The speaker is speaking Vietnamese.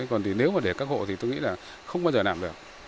còn thì nếu mà để các hộ thì tôi nghĩ là không bao giờ làm được